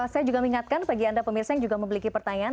saya juga mengingatkan bagi anda pemirsa yang juga memiliki pertanyaan